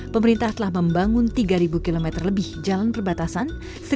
pemerintah telah membangun tiga km lebih jalan perbatasan